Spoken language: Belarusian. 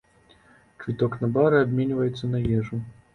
Квіток на бары абменьваецца на ежу.